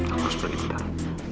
aku harus pergi mano